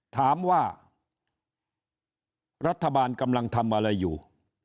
ถามว่ารัฐบาลกำลังทำอะไรอยู่